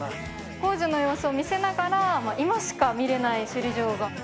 工事の様子を見せながら今しか見れない首里城が。